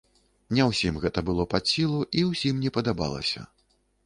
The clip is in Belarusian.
Не ўсім гэта было пад сілу і ўсім не падабалася.